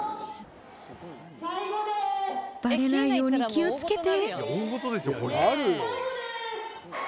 バレないように気を付けて。